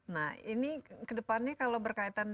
nah ini kedepannya kalau berkaitan